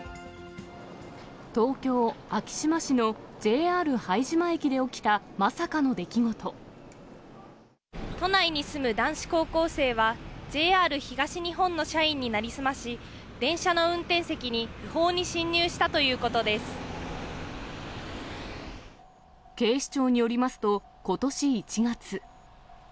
東京・昭島市のＪＲ拝島駅で都内に住む男子高校生は、ＪＲ東日本の社員に成り済まし、電車の運転席に不法に侵入したと警視庁によりますと、ことし１月。